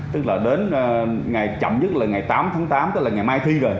tức là đến ngày chậm nhất là ngày tám tháng tám tức là ngày mai thi rồi